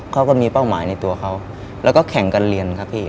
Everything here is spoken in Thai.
เขาก็มีเป้าหมายในตัวเขาแล้วก็แข่งการเรียน